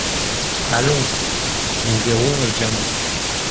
Allons ! nous verrons le diamant…